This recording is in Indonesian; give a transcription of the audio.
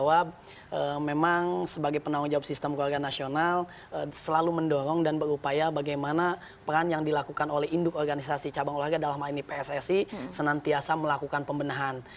bahwa memang sebagai penanggung jawab sistem keluarga nasional selalu mendorong dan berupaya bagaimana peran yang dilakukan oleh induk organisasi cabang olahraga dalam hal ini pssi senantiasa melakukan pembenahan